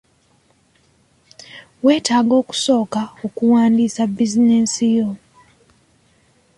Weetaaga okusooka okuwandiisa bizinesi yo.